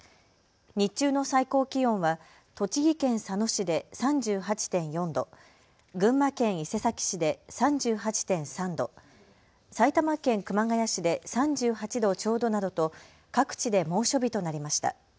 日中の最高気温は栃木県佐野市で３８．４度、群馬県伊勢崎市で３８．３度、埼玉県熊谷市で３８度ちょうどなどと各地で猛暑日となりました。